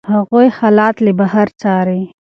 هغوی حالات له بهر څاري.